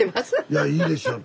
いやいいでしょう。